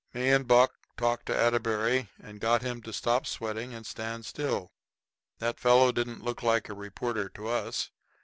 Me and Buck talked to Atterbury and got him to stop sweating and stand still. That fellow didn't look like a reporter to us.